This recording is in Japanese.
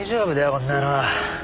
こんなの。